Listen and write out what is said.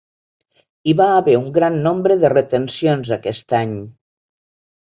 Hi va haver un gran nombre de retencions aquest any.